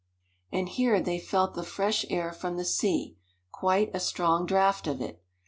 And here they felt the fresh air from the sea quite a strong draught of it.